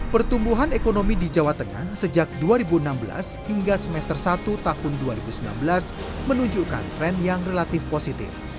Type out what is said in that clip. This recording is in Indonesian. pertumbuhan ekonomi di jawa tengah sejak dua ribu enam belas hingga semester satu tahun dua ribu sembilan belas menunjukkan tren yang relatif positif